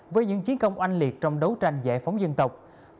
với những chiến công oanh liệt trong đấu tranh giải phóng dân tộc